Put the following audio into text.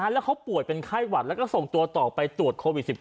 แล้วเขาป่วยเป็นไข้หวัดแล้วก็ส่งตัวต่อไปตรวจโควิด๑๙